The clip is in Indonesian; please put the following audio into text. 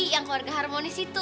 yang keluarga harmonis itu